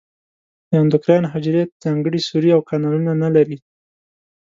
د اندوکراین حجرې ځانګړي سوري او کانالونه نه لري.